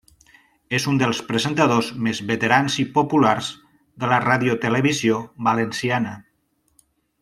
És un dels presentadors més veterans i populars de la Radiotelevisió Valenciana.